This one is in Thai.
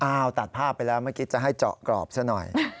ตัดภาพไปแล้วเมื่อกี้จะให้เจาะกรอบซะหน่อย